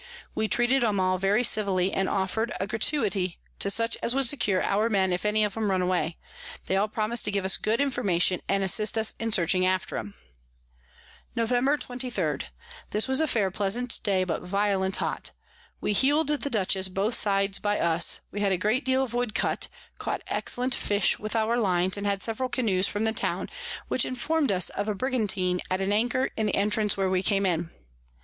We treated 'em all very civilly, and offer'd a Gratuity to such as would secure our Men if any of 'em run away: they all promis'd to give us good Information, and assist us in searching after 'em. Nov. 23. This was a fair pleasant Day, but violent hot. We heel'd the Dutchess both sides by us, we had a great deal of Wood cut, caught excellent Fish with our Lines, and had several Canoes from the Town, which inform'd us of a Brigantine at an anchor in the Entrance where we came in.